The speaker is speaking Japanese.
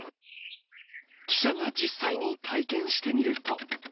記者が実際に体験してみると。